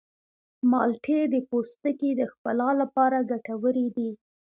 مالټې د پوستکي د ښکلا لپاره ګټورې دي.